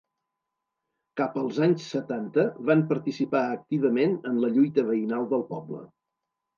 Cap als anys setanta van participar activament en la lluita veïnal del poble.